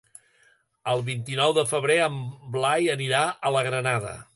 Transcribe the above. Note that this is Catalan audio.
El vint-i-nou de febrer en Blai anirà a la Granada.